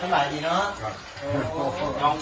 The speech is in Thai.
หลงหลงหลงหลงหลงหลง